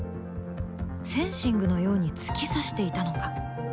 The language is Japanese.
フェンシングのように突き刺していたのか？